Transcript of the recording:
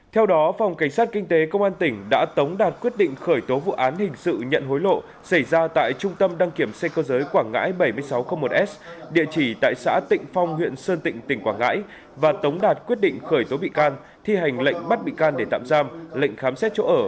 theo đó phòng cảnh sát kinh tế công an tỉnh đã tống đạt quyết định khởi tố vụ án hình sự nhận hối lộ xảy ra tại trung tâm đăng kiểm xe cơ giới quảng ngãi bảy nghìn sáu trăm linh một s địa chỉ tại xã tịnh phong huyện sơn tịnh tỉnh quảng ngãi và tống đạt quyết định khởi tố bị can thi hành lệnh bắt bị can để tạm giam lệnh khám xét chỗ ở